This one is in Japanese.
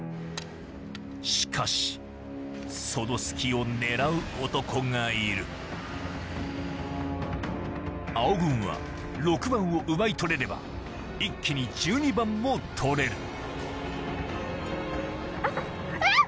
しかしその隙を狙う男がいる青軍は６番を奪い取れれば一気に１２番も取れるえっ！